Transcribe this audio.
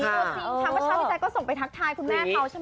ตัวจริงทำว่าเช้าในใจก็ส่งไปทักทายคุณแม่เขาใช่ไหม